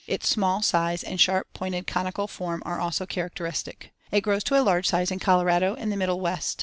Its small size and sharp pointed conical form are also characteristic. It grows to a large size in Colorado and the Middle West.